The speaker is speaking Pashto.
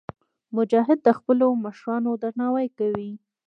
مجاهد د خپلو مشرانو درناوی کوي.